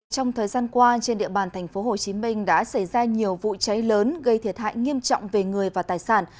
trong thời gian qua trên địa bàn tp hcm đã xảy ra nhiều vụ cháy lớn gây thiệt hại nghiêm trọng về người và tài sản